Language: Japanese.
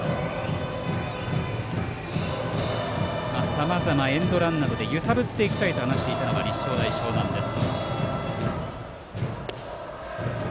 さまざま、エンドランなどで揺さぶっていきたいと話していたのは立正大淞南です。